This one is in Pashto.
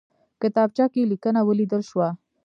کتابچه کې لیکنه ولیدل شوه.